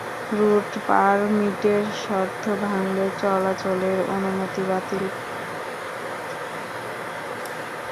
Root পারমিটের শর্ত ভাঙলে চলাচলের অনুমতি বাতিল করার এখতিয়ার আছে পরিবহন কমিটির।